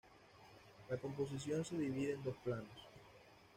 La composición se divide en dos planos.